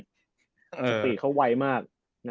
จุดเด่นคิวสปีทเขาไวมาก